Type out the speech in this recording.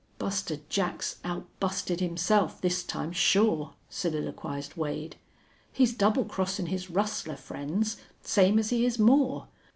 "Buster Jack's outbusted himself this time, sure," soliloquized Wade. "He's double crossin' his rustler friends, same as he is Moore.